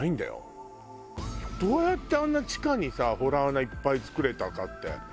どうやってあんな地下にさ洞穴いっぱい作れたかって。